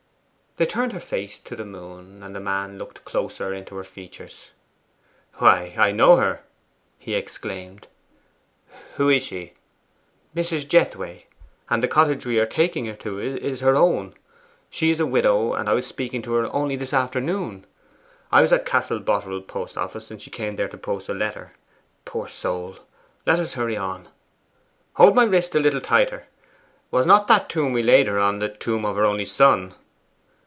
They turned her face to the moon, and the man looked closer into her features. 'Why, I know her!' he exclaimed. 'Who is she?' 'Mrs. Jethway. And the cottage we are taking her to is her own. She is a widow; and I was speaking to her only this afternoon. I was at Castle Boterel post office, and she came there to post a letter. Poor soul! Let us hurry on.' 'Hold my wrist a little tighter. Was not that tomb we laid her on the tomb of her only son?